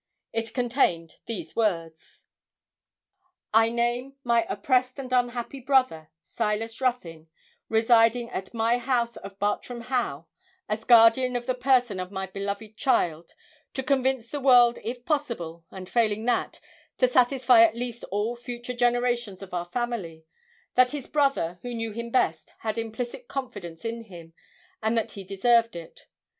It contained these words: 'I name my oppressed and unhappy brother, Silas Ruthyn, residing at my house of Bartram Haugh, as guardian of the person of my beloved child, to convince the world if possible, and failing that, to satisfy at least all future generations of our family, that his brother, who knew him best, had implicit confidence in him, and that he deserved it.